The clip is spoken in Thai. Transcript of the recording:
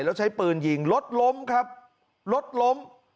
แล้วใช้ปืนยิงรถล้มครับรถล้ม